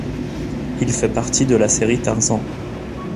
Il fait partie de la série Tarzan.